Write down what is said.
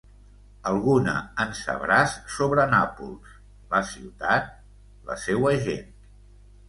Alguna en sabràs sobre Nàpols, la ciutat, la seua gent.